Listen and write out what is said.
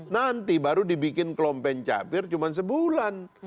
nanti baru dibikin klompen capir cuma sebulan